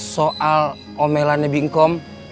soal omelan nya bingkom